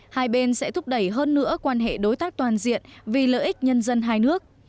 hai bên sẽ thúc đẩy hơn nữa quan hệ đối tác toàn diện vì lợi ích nhân dân hai nước